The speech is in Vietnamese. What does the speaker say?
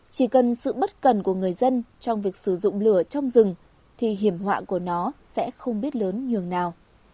chỉ cần sự bất cần của người dân trong việc sử dụng lửa trong rừng thì hiểm họa của nó sẽ không biết lớn nhường nào